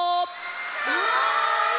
はい！